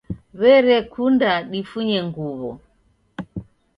W'erekunda difunye nguw'o